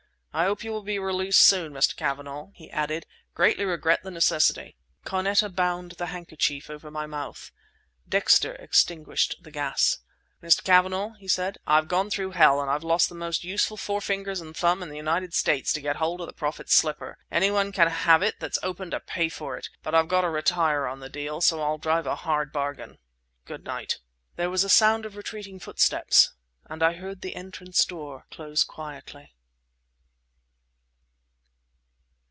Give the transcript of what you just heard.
I hope you will be released soon, Mr. Cavanagh," he added. "Greatly regret the necessity." Carneta bound the handkerchief over my mouth. Dexter extinguished the gas. "Mr. Cavanagh," he said, "I've gone through hell and I've lost the most useful four fingers and a thumb in the United States to get hold of the Prophet's slipper. Any one can have it that's open to pay for it—but I've got to retire on the deal, so I'll drive a hard bargain! Good night!" There was a sound of retreating footsteps, and I heard the entrance door close quietly.